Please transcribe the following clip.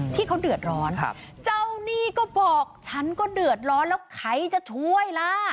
ที่เขาเดือดร้อนเจ้าหนี้ก็บอกฉันก็เดือดร้อนแล้วใครจะช่วยล่ะ